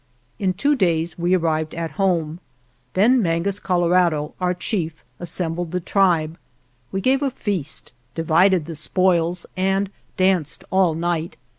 In two days we arrived at home. Then Mangus Colorado, our chief, assembled the tribe. We gave a feast, divided the spoils, and danced all night.